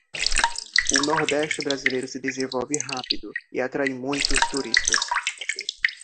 O nordeste brasileiro se desenvolve rápido e atrai muitos turistas